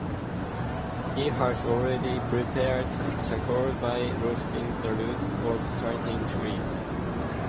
He has already prepared charcoal by roasting the root of certain trees.